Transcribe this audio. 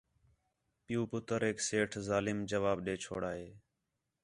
پِیؤ، پُتریک سیٹھ ظالم جواب دے چھوڑا ہِے